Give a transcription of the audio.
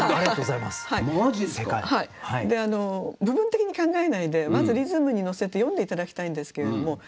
部分的に考えないでまずリズムに乗せて読んで頂きたいんですけれども。